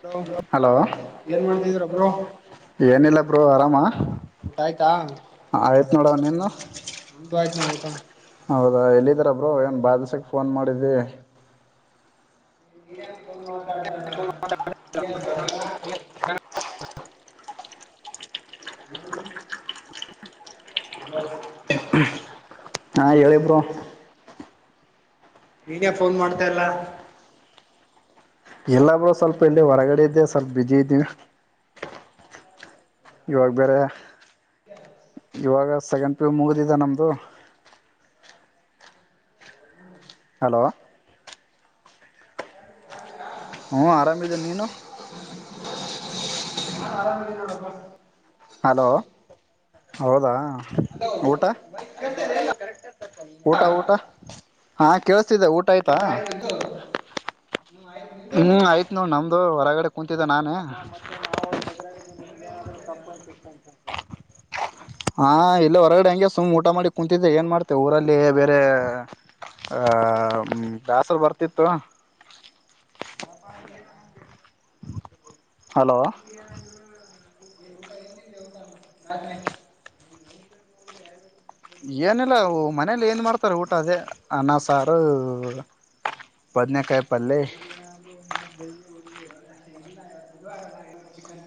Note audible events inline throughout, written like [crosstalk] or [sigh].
Hello hello ಏನ್ ಮಾಡ್ತಿದೀರ bro ಏನಿಲ್ಲ ಬರು ಆರಾಮ ಊಟ ಆಯ್ತಾ ಆಯ್ತು. ನೋಡ ನಿನು. ನಮ್ದು ಆಯ್ತ್ು ನವು ಊಟ. ಹೌದಾ ಎಲ್ಲಿದ್ದರ ಬ್ರೋ ಏನು ಬಾದಿಸಕ್ಕೆ ಫೋನ್ ಮಾಡಿದ್ದಿ. ಹ. ಹ್ಮ. ಹ ಹ ನೀನೇ ಫೋನ್ ಮಾಡ್ತಲ್ಲ ಎಲ್ಲಬ್ರು ಸ್ವಲ್ಪ ಎಲ್ಲಿ ಹೊರಗಡೆ ಇದ್ದೆ ಸ್ವಲ್ಪ ಬಿಜಿ ಇದ್ದೀವಿ ಇವಾಗ ಬೇರೆ ಇವಾಗ ಸೆಕೆಂಡ್ ಪ್ಯೂ ಮುಗಿದಿದೆ ನಮದು ಹಲೋ ಹ್ಮ ಆರಾಮಿದೇನೆ ನೀನು ಹಲೋ ಹೌದಾ ಹಲೋ ಊಟ ಊಟ ಊಟ ಹಾ ಕೇಳಿಸತಿದ್ದೆ ಊಟ ಆಯಿತಾ ಊಟಯದು ಹ್ಮ್ ಆಯ್ತ್ ನೋ ನಮ್ದು ಹೊರಗಡೆ ಕುೂತಿದ್ದೆ ನಾನೇ ಹೊರಗಡೆ ಏನ್ ಮಾಡ್ತಾ ಇದೀರಾ ಹಾ ಇಲ್ಲ ಹೊರಗಡೆ ಹಂಗಗೆ ಸುಮ್ ಊಟ ಮಾಡಿ ಕುೂಂತಿದ್ದೆ ಏನ್ ಮಾಡ್ತೆ ಊರಲ್ಲಿ ಬೇರೆ ಆ ದ್ಯಾಸರು ಬರ್ತಿತ್ತು ಹ ಹಲೋ ನ ಏನಿಲ್ಲ ಮನೇಲಿ ಏನು ಮಾಡ್ತಾರೆ ಊಟ ಅದೇ ಅನ್ನ ಸಾರು ಬದನೇಕಾಯಿ ಪಲ್ೆ ಬ ಚಿಕನ್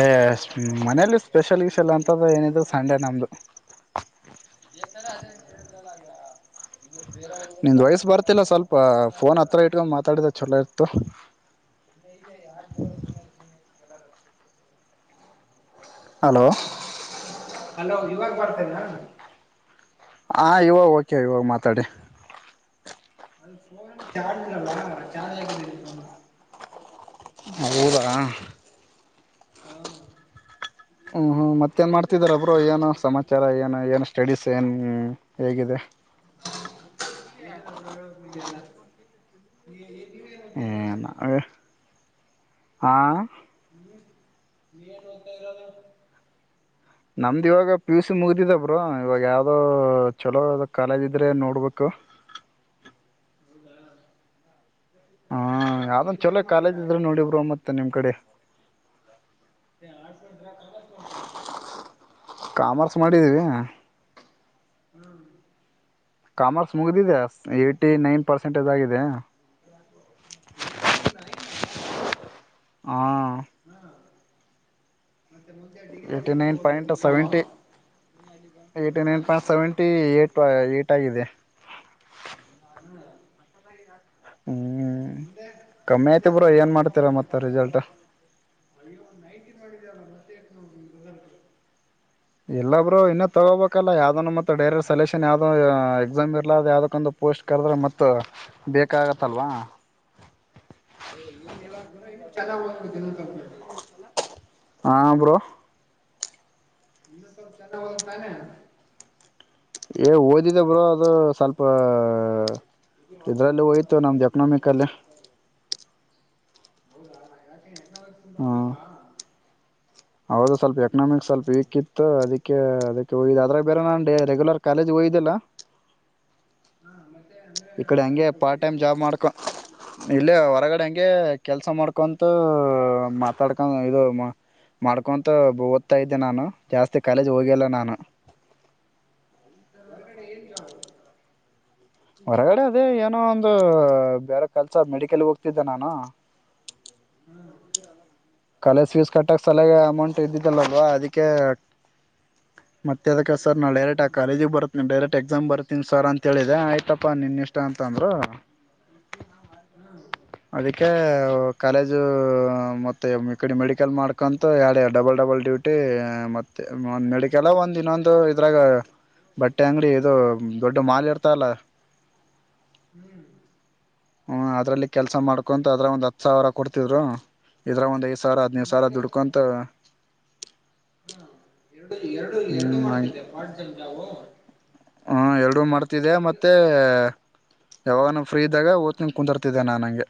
ಅ ಮನೇೆಯಲ್ಲಿ ಸ್ಪೆಷಲ್ ಇಶ್ ಎಲ್ಲಾ ಅಂತ ಏನಿದ ಸಂಡೇ ನಮ್ದು ನಿಂದ್ ವಯಸ ಬರ್ತಿಲ್ಲ ಸ್ವಲ್ಪ ಫೋನ್ ಹತ್ರ ಇಟ್ಕೊಂಡು ಮಾತಾಡಿದ ಚಲೋ ಇತ್ತು ಹಲೋ ಅಲೋ ಇವಾಗ ಬರ್ತ ಹಾ ಇವಾಗ ಓಕೆ ಇವಾಗ ಮಾತಾಡಿ ಅದು ಫೋನ್ ಚಾರ್ಜ್ ಇರಲ್ಲವಾ ಚಾರ್ಜ್ ಆಗಿದ್ದಲ್ಲಿ ಫೋನ್ ಅಊರ ಹಾ ಹ್ಮ ಹ್ಮ ಮತ್ತೇನ್ ಮಾಡ್ತಿದಾರ ಒಬ್ರು ಏನು ಸಮಾಚಾರ ಏನು ಏನು ಸ್ಟಡೀಸ್ ಏನ್ ಹೇಗಿದೆ ಏನೆಲ್ಲ ಪ್ರೋಗ ಇದೆಲ್ಲ ನೀ ನೀವೇನ್ ಓದ್ತಾ ಇರೋದು ಹ್ಮ್ಮ್. ಹ ನೀಟ ತ್ತರ ಅದು ನಮ್ದು ಇವಾಗ ಪಿ ಯು ಸಿ ಮುಗ್ದಿದ ಬ್ರ ಇವಾಗ ಯಾವ್ದೋ ಚಲೋ ಕಾಲೇಜ್ ಇದ್ರೆ ನೋಡ್ಬೇಕು ಹೌದಾ ಹ್ಮ ಯಾವ್ದ ಮುಂದೆ ಏನ್ ಚಲೋ ಕಾಲದ ಇದ್ರೆ ಮಾಡ್ತೀರಾ ನೋಡಿಬ್ರರು ಮತ್ತೆ ಮತ್ತ ನಿಮ್ಮ್ ಕಡೆ ಕವಸ್ ಮಾಡತ್ರ [unintelligible] ಕಾಮರ್ಸ್ ಮಾಡಿದ್ದೀವಿ ಹಾ ಕಾಮರ್ಸ್ ಮುಗಿದಿದೆ ಏ್ಟಿ ನೈನ್ ಪರ್ಸೆಂಟೇಜ್ ಆಗಿದೆ ಎಟಿ ನೈನ್ ಹಾ ಮತ್ತೆ ಮುಂದೆ ಅಲ್ಲಿ ಏನ್ ಏಟಿೈನ್ ತಗೊಳುದು ಪಂಟ್ ಆ ಸೆವೆಂಟಿ ಹಾ ಟಿೈಂಟ್ ಸೆವೆಂಟಿ ಏಟಾಗಿದೆ ಹಾ ಹ್ಮ್ ಮುಂದೆ ಕಮ್ಮಿ ಮುಂದೆ ಆಯ್ತು ಏನ್ ಬ್ರೋ ಮಾಡುದು ಬಿ ಕಾಮ್ ಮಾಡ್ತೀರಾ ಮಾಡ ಮತ್ತ ರಿಸಲ್ಟ್ ಅಲ್ಲಿ ಒಂದ್ ನೈಟ್ ಇದ್ರೆ ತ್ತ [unintelligible] ನಿನ್ನ ರಿಸಲ್ಟ್. ಇಲ್ಲಾ ಬ್ರೋ ಇನ್ನ ತಗೋಬೇಕಲ್ಲ ಯಾವ್ದ ಮತ್ತ ಡೈರೆಟ್ ಸೆಲೆಕ್ಷನ್ ಯಾವ್ದೋ ಎಕ್ಸಾಮ್ ಇರ್ಲ ಯಾವ್ದಕ್ಕೊಂದು ಪೋಸ್ಟ್ ಕರೆದ್ರೆ ಮತ್ತ ಬೇಕಾಗತ್ತಲ್ವಾ. ಅಂದ್ರೆ ಇನ್ನು ಚೆನ್ನಾಗ [unintelligible] ಹಾ ಬ್ರೋ. ಇನ್ನೊಂದ ಸ್ವಲ್ಪ ಚನ್ನಾಗಿ ಓದಬೇಕ ತಾನೇ. ಏ ಓದಿದೆ ಬ್ರೋ ಅದು ಸ್ವಲ್ಪ ಇದ್ರಲ್ಲಿ ಹೋಯ್ತು ನಮ್ದು ಎಕನಾಮಿಕಲ್ಲಿ. ಹೌದಾ ಯಾಕೆ [unintelligible] ಎಕನಾಮಿಕಲ್ಲಿ ಸ್ವಲ್ಪ ಹ್ಮ್ ವೀಕಾ. ಹೌದು ಸ್ವಲ್ಪ ಎಕನಾಮಿಕ್ಸ್ ಸ್ವಲ್ಪ ವೀಕಿತ್ತ ಅದಕ್ಕೆ ಅದಕ್ಕೆ ಹೋಗಿದಿ ಅದ್ರಾಗ ಬೇರೆ ನಾ ರೆಗ್ಯುಲರ್ ಕಾಲೇಜ್ ಹೋಗಿದಿಲ್ಲಾ ಹಾ ಮತ್ತೆ ಅಂದ್ರೆ ಈ ಕಡೆ ಹಂಗೆ ಡೈರೆಕ್ಟ್ ಪಾರ್ಟ್ ಟೈಮ್ ಹೋಗ್ತೀರಾ ಜಾಬ್ ಮಾಡ್ಕೊ ಇಲ್ಲೇ ಹೊರಗಡೆ ಹಂಗೆ ಕೆಲ್ಸ ಮಾಡ್ಕೊಂತ ಮಾತಡ್ಕೊಂದ ಇರೋಮ ಮಾಡ್ಕೊಂತ ಓದ್ತಾ ಇದ್ದೆ ನಾನು, ಜಾಸ್ತಿ ಕಾಲೇಜ್ ಹೋಗಿ ಲ್ಲ ನಾನು ಹೊರಗಡೆ ಏನ್ ಜಾಬ್ ಹೊರಗಡೆ ಅದೇ ಏನೋ ಒಂದ ಬೇರೆ ಕೆಲ್ಸ ಮೆಡಿಕಲ್ಗೇ ಹೋಗ್ತಿದ್ದೆ ನಾನು ಹ್ಮ್ ಕಾಲೇಜ್ ಫೀಸ್ ಕಟ್ಟಕ್ಕೆ ಸಲ್ವಾಗಿ ಅಮೌಂಟ್ ಇದ್ದಿದ್ದಲ್ಲಲ್ವಾ ಅದಕ್ಕೆ ಮತ್ತೆ ಅದಕ್ಕೆ ಸರ್ ನಾನು ಡೈರೆಕ್ಟ್ ಆ ಹ್ಮ್ ಕಾಲೇಜಿಗೆ ಬರುತ್ತೀನಿ ಡೈರೆಕ್ಟ್ ಎಕ್ಸಾಮ್ ಬರ್ತೀನಿ ಸರ್ ಅಂತೇಳಿದೆೆ ಆಯ್ತಪ್ಪ ನಿನ್ನಿಷ್ಟ ಅಂತಂದರು. ಹಾ ಅದಕ್ಕೆ ಕಾಲೇಜು ಮತ್ತೆ ಇಕಡಿ ಮೆಡಿಕಲ್ ಮಾಡ್ಕೊಂತು ಯಾಡ ಯಾಡ ಡಬಲ್ ಡಬಲ್ ಡ್ಯೂಟಿ ಮತ್ತ ಮೆಡಿಕಲ್ ಒಂದ್ ಇನ್ನೊಂದು ಇದ್ರಾಗ ಬಟ್ಟೆ ಅಂಗಡಿ ಇದು ದೊಡ್ಡ ಮಾಲ್ ಇರ್ತಲ್ಲ ಹ್ಮ್ [inaudible] ಹ್ಮ ಅದ್ರಲ್ಲಿ ಕೆಲ್ಸ ಮಾಡ್ಕೊಂತ ಅದ್ರಾಗ್ ಒಂದ್ ಹತ್ತ ಸಾವಿರ ಕೊಡ್ತಿದ್ರು ಇದ್ರಗ ಒಂದ್ ಐ ಸಾವ್ರಾ ಹದನೈದ ಸಾವ್ರಾ ಮೆಡಿಕಲ್ ದುಡ್ಕೊಂತ ಹಾ ಎರಡು ಎರಡು ಎರಡು ಹ್ಮ್ ಮಾಡ್ತಿದ್ದೆ ಪಾರ್ಟ್ ಟೈಮ್ ಜಾಬು ಹಾ ಎರಡು ಮಾಡ್ತಿದ್ದ ಮೆಡಿಕಲ್ ಮತ್ತೆ ಯಾವಾಗ ನಮ್ಗ ಫ್ರೀ ಇದ್ದಾಗ ಹಾ ಓದ್ಕೊಂತ ಕುಂತರ್ತಿದ್ದೆ ನಾನಂಗೆ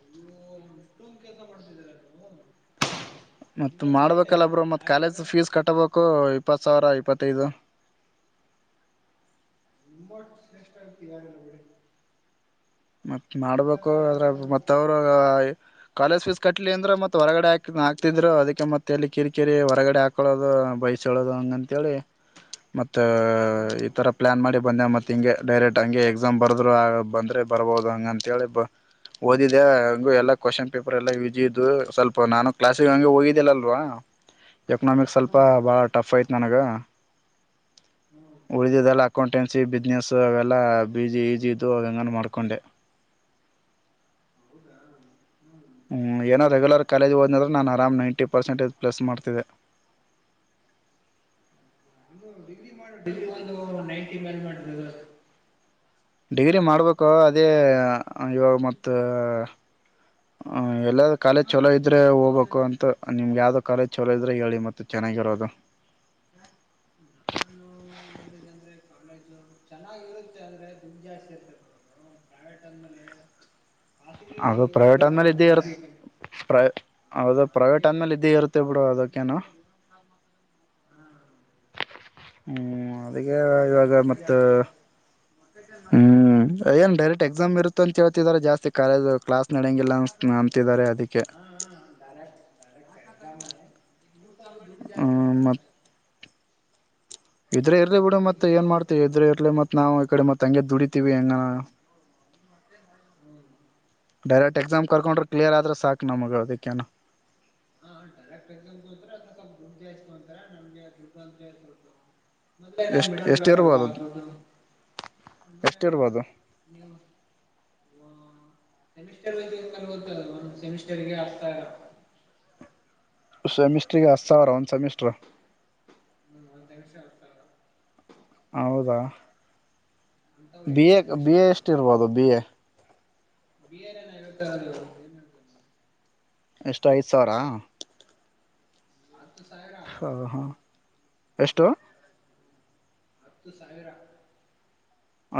ಅಯ್ಯೋ ಅಷ್ಟೊಂದು ಕೆಲಸ ಮಾಡ್ತಿದ್ದೀರ ನೀವು ಮತ್ತ್ ನೀವೇ ಗ್ರೇಟೆ ಮಾಡ್ಬೇಕಲ್ಲ ಬ್ರೋ ಮತ್ತ I am a college great fees ಕಟ್ಟಬೇಕು ಇಪ್ಪತ್ ಸಾವಿರ ಇಪ್ಪತ್ತೈದು next time T A rally ಹೊಡಿರಿ. [inaudible] ಮತ್ತ್ ಮಾಡ್ಬೇಕು ಅದ್ರಗ್ ಮತ್ತ ಅವರು ಕಾಲೇಜ್ ಫೀಸ್ ಕಟ್ಲಿ ಅಂದ್ರ ಮತ್ತ ಹೊರಗಡೆ ಹಾಕ್ ಹಾಕ್ತಿದ್ರು ಅದಕ್ಕೆ ಮತ್ತ ಎಲ್ಲಿ ಕಿರಿಕಿರಿ ಹೊರಗಡೆ ಹಾಕೊಳ್ಳೋದು ಬೈಸ್ಕೊಳೋದು ಹಂಗಂತಹೇಳಿ ಮತ್ತ ಹ್ಮ್ ಈ ಥರ ಪ್ಲ್ಯಾನ್ ಮಾಡಿ ಬಂದೆ ಮತ್ತ ಹಿಂಗೆ ಡೈರೆಕ್ಟ್ ಹಂಗೆ ಎಕ್ಸಾಮ್ ಬರೆದ್ರು ಆ ಬಂದ್ರೆ ಬರ್ಬೋದ ಹಂಗ ಅಂತ ಹೇಳಿ ಬ ಓದಿದೆ ಹಂಗು ಎಲ್ಲಾ ಕ್ವೆಶ್ಚನ ಪೇಪರ್ ಎಲ್ಲಾ ಈಜಿ ಇದು ಸ್ವಲ್ಪ ನಾನು ಕ್ಲಾಸ್ಗಿ ಹಂಗ ಹೋಗಿದ್ದಿಲ್ಲಿಲ್ಲ ಅಲ್ವಾ ಎಕನಾಮಿಕ್ ಸ್ವಲ್ಪ ಹ್ಮ್ ಬಹಳ ಟಫ್ ಐತಿ. ನನಗ ಹ್ಮ್ ಉಳಿದಿದೆಲ್ಲ ಅಕೌಂಟೆನ್ಸಿ ಬಿಸ್ನೆಸ್ ಅವೆಲ್ಲ ಬಿಜಿ ಈಜಿ ಇದ್ದು ಹೆಂಗನ್ ಮಾಡ್ಕೋ ಕೊಂಡೇ ಹೌದಾ ಹ್ಮ್ ಹ್ಮ್ ಏನೋ ರೆಗ್ಯುಲರ್ ಕಾಲೇಜ್ಗೆ ಹೊದ್ನಿ ಅಂದ್ರ ನಾನ ಅರಾಮ್ ನೈಂಟಿ ಪರ್ಸೆಂಟೇಜ್ ಪ್ಲಸ್ ಮಾಡ್ತಿದ್ದೆ. ಡಿಗ್ರಿ ಮಾಡಿ ಡಿಗ್ರಿ ಒಂದು ನೈಂಟಿ ಮೇಲೆ ಮಾಡದ್ರ ಡಿಗ್ರಿ ಮಾಡ್ಬೇಕು ಅದೇ ಇವಾಗ ಮತ್ತ ಎಲ್ಲ ಕಾಲೇಜ್ ಚಲೋ ಇದ್ರೆ ಹೋಗ್ಬೇಕು ಅಂತ ನಿಮ್ಗೆ ಯಾವ್ದೋ ಕಾಲೇಜ್ ಚಲೋ ಇದ್ರೆ ಹೇಳಿ ಮತ್ತ ಚೆನ್ನಾಗಿರೋದು. ನಾನು ನೋಡಿದಂದ್ರೆ ಎಕ್ಸಾ ಸೇಟರ್ ಹಾಸಿಗೆ ಅದು ಪ್ರೈವಟ್ ಹೋಗ್ತಿರಲ್ಲ [unintelligible] ಕಾರಿಗೆ ಪ್ರ ಹಾ ಹೌದು ಅದಕ್ಕೆ ಪ್ರವೇಟ್ ಅಂದೇ ಮೇಲೆ ಇದ್ದ ಇರುತ್ತೆ ಕಡ ಅದುಕೇನು ಹಾ [unintelligible] ಹ್ಮ್ ಅದಕ್ಕೆ ಹೋಗ್ಬೇಕಂದ್ರ ಆಗ ದುಡ್ಡು ಮತ್ತು ಜಾಸ್ತಿ ಆಗತ್ತೆ ಹಾ ಹ್ಮ್ ಏನ್ ಡೈರೆಕ್ಟ್ ಎಕ್ಸಾಮ್ ಇರುತ್ತ ಅಂತ ಹೇಳ್ತಿದಿದ್ದಾರೆ ಜಾಸ್ತಿ ಕಾಲೇಜು ಕ್ಲಾಸ್ ನಡಂಗಿಲ್ಲ ಅನ್ ಅಂಬಂತಿದಿದ್ದಾರೆ ಅದಕ್ಕೆ ಹಾ ಡೈರೆಕ್ಟ್ ದು ಜಾಸ್ತ ಹ್ಮ್ ಒಂತಾರೆ ಮ ಇದ್ರೆ ಇರ್ಲಿ ಬಿಡೂ ಮತ್ತ ದುಡ್ಡು ಏನ್ ಜಾಸ್ತಿ ಮಾಡ್ತಿ ಇದ್ರೆ ಇರ್ಲಿತ್ತೆ ನಾವು ಈ ಕಡೆ ಮತ್ತ ಹಂಗಗೆ ದುಡಿತೀವಿ ಹೆಂಗಾನ ಹ್ಮ್ ಡೈರೆಕ್ಟ್ ಎಕ್ಸಾಮ್ ಕರ್ಕೊಂಡ್ರೆ ಕ್ಲಿಯರ್ ಆದ್ರೆ ಸಾಕು ನಮಗೆ ಅದಕ್ಕೆನ ಕರೆಕ್ಟ್ ಎಕ್ಸ್ ಅ ಸ್ಲ್ ಬುಕ್ ಜಸ್ಕೊಂತರ ನಮ [inaudible] ಮೊದ್ಲೇ ಎಷ್ಟ್ ಮಿಡಲ್ ಎಷ್ಟ್ ಕ್ಲಾಸ್ ಅಲ್ವಾ ಇರ್ಬೋದು [inaudible] ಎಷ್ಟ ಇರ್ಬೋದು ಸೆಮಿಸ್ಟರ್ತಂತ ಗೊತ್ತ ಒ ಸೆಮಿಸ್ಟರ್ಗೆ ಆಗ್ತ ಸೆಮಿಸ್ಟ್ರಿಗೆ ಹತ್ತು ಸಾವಿರ ಒಂದ್ ಸೆಮಿಸ್ಟ್ರ ಒಂದು ಸೆಮಿಸ್ಟರ್ ಹತ್ ಸಾವ್ರ ಹೌದ ಅಂತವು ಬಿ ಎಂಟು ಎ ಬಿ ಸೆಮಿಸ್ಟರ್ ಎ ಇರ್ತಾವ ಎಷ್ಟಿ ಎಂಟ್ ಇರ್ಬೋದು ಬಿ ಎ [inaudible] ಎಸ್ಟೂ ಐದು ಸಾವಿರ ಹತ್ತು ಸ ಹ ಹಾ ಎಷ್ಟೋ ಹತ್ತು ಸಾವಿರ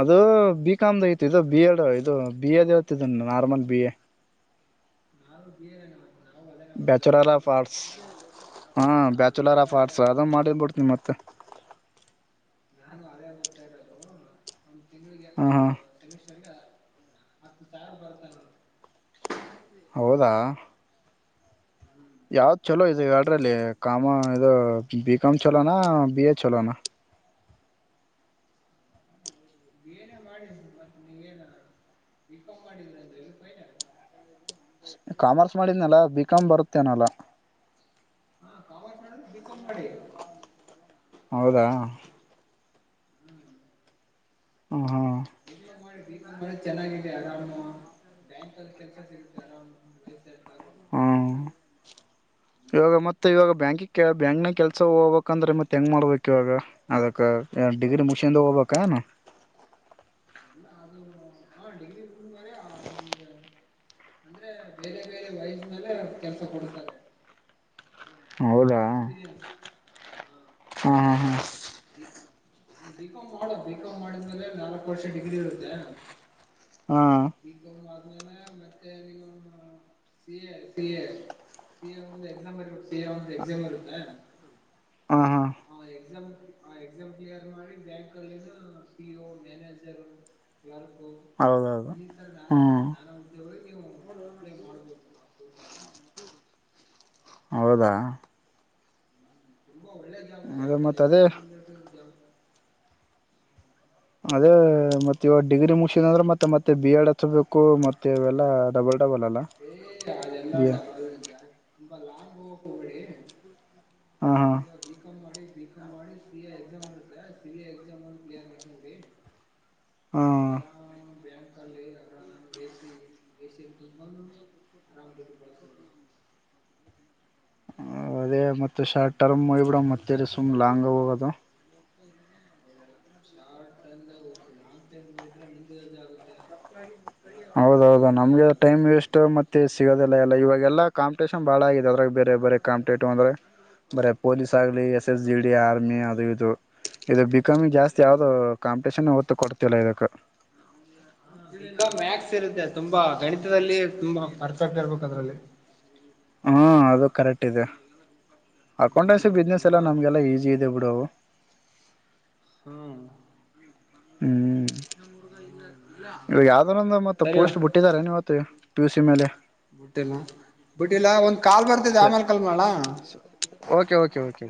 ಅದು ಬಿ ಕಾಮ್ದ ಐತಿ ಇದು ಬಿಯಡ್ ಇದು ಬಿ ಎದ ಇತ್ತ normal B A [inaudible] bachelor of ಇರೋದು ಆರ್ಟ್ಸ್ ಹಾ ಬ್ಯಾಚುಲರ್ ನಾವೇ ಆಫ್ ಅದೇ ಆರ್ಟ್ಸ್ ಅದು ಮಾಡಿರ್ಬಿಡ್ನತ್ತೆ ಮತ್ತೆ [inaudible] ಹಾ ಹಾ [inaudible] [inaudible] ಹೌದಾ ಹ್ಮ್ ಯಾವ್ದ್ ಚಲೋ ಇ ಎಡ್ರಲ್ಲಿ ಕಾಮ ಇದು ಬಿ ಕಾಮ್ ಚಲೋನಾ ಬಿ ಎ ಚಲೋನಾ ಏನ ಮಾಡಿದ ಮತ್ತೆ ನೀವೇನ ವಿಕ ಮಾಡಿದ್ರ ಅ. [inaudible] ಕಾಮರ್ಸ್ ಮಾಡಿದ್ನಲ್ಲಾ ಬಿಕಾಮ್ ಬರುತ್ತೇನಲ್ಲ ಬಿಕಾಮ್ ಮಾಡಿ ಹೌದಾ [unintelligible] ಹ ಹ್ಮ [inaudible] ಮಾಡಿ ಚೆನ್ನಾಗಿದೆ ಆರಾಮ ಬ್ಯಾಂಕ್ಲ್ಲಿ ಕೆಲ್ಸ ಸಿಗುತ್ತೆ ಆರಾಮಯಸ್ಸ ಹಾ ಇವಾಗ ಮತ್ತೆ ಇವಾಗ ಬ್ಯಾಂಕಿ ಬ್ಯಾಂಕ್ನ ಕೆಲ್ಸ ಹೋಗ್ಬೇಕಂದ್ರೆ ಮತ್ತೆ ಹೆಂಗ್ ಮಾಡ್ಬೇಕಕ್ ಇವಾಗ ಅದಕ್ಕ ಡಿಗ್ರಿ ಮಗ್ಸ್ಕಂಡ್ ಹೋಗ್ಬೇಕ ಏನು ಹು ಡಿಗ್ರೀ ಮುಗಿಸದ್ಮೇಲೆ ಅಂದ್ರೆ ಬೇರೆ ಬೇರೆ ವಯಸ್ಸಿನಲ್ಲ ಕೆಲ್ಸ ಕೊಡ್ತಾರೆ ಎಕ್ಸ್ಪೀರಿಯನ್ಸ್ ಹ್ಮ ಹ್ಮ ಹ್ಮ ಬಿಕಾಮ್ ಮಾಡ ಬಿಕಾಮ್ ಮಾಡಿದ್ಮೇಲೆ ನಾಲ್ಕು ವರ್ಷ ಡಿಗ್ರಿ ಇರುತ್ತೆ ಹಾ ಬಿ ಕಂ ಮತ್ತೆ ನೀ C A C A C A ಒಂದು ಎಕ್ಸಾಮ್ ಬರ್ಬೇಕು ಸಿ ಎ ಒಂದು ಎಕ್ಸಾಮ್ ಇರುತ್ತೆ ಹಾ ಹಾ ಹಾ ಹ ಎಕ್ಸಾಮ್ ಎಕ್ಸಾಮ್ ಕ್ಲಿಯರ್ ಮಾಡಿ ಬ್ಯಾಂಕ್ಲ್ಲಿನ ಪೀ ಓ ಮ್ಯಾನೇಜರ್ ಕ್ಲರ್ಕ್ ಹೌದೌದು ಇತರ ನಾನ ಹ್ಮ್ ನಾನ ಉದ್ಯೋಗಗಳಿಗೆ ಅಪ್ಲೈ ಮಾಡಬಹುದು ಹೌದಾ ತುಂಬಾ ಒಳ್ಳೆ ಅದೇ ಬ್ಯಾಂಕ್ ಮತ್ತ ಕಲ್ಲಿ ಅದೇ ಬೆಂಗಳೂರು ಅಲ್ಲಿ ಜಾಬ್ ಅದೇ ಮತ್ತ ಇವಾಗ ಡಿಗ್ರಿ ಮುಗಸಿದ ಅಂದ್ರೆ ಮತ್ತೆ ಮತ್ತೆ ಬಿ ಎಡ್ ಹಚ್ಬೇಕು ಮತ್ತೆ ಇವೆಲ್ಲಾ ಡಬಲ್ ಡಬಲ್ ಅಲ್ಲ ಏ ಅದೆಲ್ಲ ಬಿ ಎ ಡಬಲ್ ಲಾಂಗ್ ಹೋಗೋಕೆ ಹೋಗಬೇಡಿ ಹಾ ಈವಾಗ ಬಿ ಕಂ ಮಾಡಿ ಬಿ ಕಂ ಮಾಡಿ ಸಿ ಎ ಎಕ್ಸಾಮ ಇರುತ್ತೆ ಸಿ ಎ ಎಕ್ಸಾಮ ಕ್ಲೀನರ್ ಮಾಡಿಕೊಳ್ಳಿ ಹಾ ಬ್ಯಾಂಕ್ ಅಲ್ಲಿ ಆರಾಮ ಎ ಸಿ ಎ ಸಿ ಅಲ್ಲಿ ಕುತ್ಕೊಂಡು ತುಂಬ ಆರಾಮ್ ಇರಬಹುದು ಅದೇ ಮತ್ತೆ ಶಾರ್ಟ್ ಟರ್ಮ್ ಮಾಡಿಬಿಡೋಣ ಮತ್ತೆ ಸುಮ್ ಲಾಂಗ್ ಹೋಗೋದು ಶಾರ್ಟ್ ಟರ್ಮ್ ದಾಗ ಹೋಗಿ ಲಿಂಗ್ ಟರ್ಮ್ ಹೋದ್ರೆ ನಿನಗೆ ಕಷ್ಟ ಆಗುತ್ತೆ ಎಲ್ಲಾ ಹೌದೌದ ಪರಿಸ್ಥಿತಿಗಳು ಎಲ್ಲ ನಮ್ಗೆ ಅದೇ ಟೈಮ್ ವೇಸ್ಟ್ ಮತ್ತೆ ಸಿಗೋದಿಲ್ಲ ಇಲ್ಲ ಇಲ್ಲ ಇವಾಗ ಎಲ್ಲಾ ಕಾಂಪಿಟೇಷನ್ ಬಾಳ ಆಗಿದೆ ಅದ್ರಾಗ ಬೇರೆ ಬೇರೆ ಕಾಂಪಿಟೇಟಿವ್ ಅಂದ್ರೆ ಬರೆ ಪೊಲೀಸ್ ಆಗಲಿ S S G D army ಅದು ಇದು ಇದು ಬಿಕಾಮಿ ಜಾಸ್ತಿ ಯಾವ್ದೋ ಕಾಂಪಿಟೇಷನ್ ಹೊತ್ತು ಕೊಡ್ತಿಲ್ಲ ಇದಕ್ಕೆ ಹಾ ವಬಿ ಕಂ ಮ್ಯಾಕ್ಸ್ ಇರುತ್ತೆ ತುಂಬಾ ಗಣಿತ ತಲ್ಲಿ ತುಂಬಾ ಪರ್ಫೆಕ್ಟ್ ಇರ್ಬೇಕು ಅದ್ರಲ್ಲಿ ಹ್ಮ ಅದು ಕರೆಕ್ಟ್ ಇದೆ ಅಕೌಂಟೆನ್ಸಿ ಹ್ಮ ಬಿಸ್ನೆಸ್ ಎಲ್ಲ ತುಂಬಾ ನಮಗೆಲ್ಲ ಈಸಿ ಇದೆ ಬಿಡು ಹ್ಮ್ ಹ್ಮ ಮತ್ತ ಸರಿ ಪೋಸ್ಟ್ ಬಿಟ್ಟಿದಿದ್ದಾರೆನಿ ಇವತ್ತು ಪಿ ಯು ಸಿ ಮೇಲೆ ಬುಟ್ಟಿಲ್ಲ ಬುಟ್ಟಿಲ್ಲ ಒಂದ್ ಕಾಲ್ ಬರ್ತಿದೆ ಸರಿ ಆಮೇಲ್ ಕಾಲ್ ಮಾಡ್ಲಾ ಓಕೆ ಓಕೆ ಓಕೆ